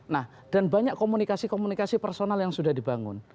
nah dan banyak komunikasi komunikasi personal yang sudah dibangun